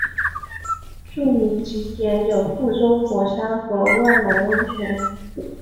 著名景点有覆舟火山和万隆温泉。